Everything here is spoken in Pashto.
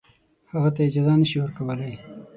هغه ته اجازه نه شي ورکولای.